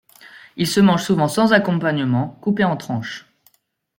Il se mange souvent sans accompagnement, coupé en tranches.